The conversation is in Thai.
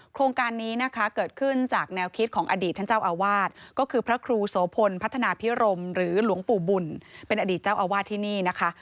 โครงการนี้นะคะเกิดขึ้นจากแนวคิดของอดีตท่านเจ้าอาวาสก็คือพระครูโสพลพัฒนาพิรมหรือหลวงปู่บุญเป็นอดีตเจ้าอาวาสที่นี่นะคะ